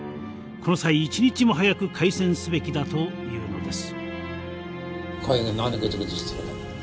この際一日も早く開戦すべきだというのです。